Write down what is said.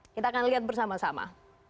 kita akan lihat bersama sama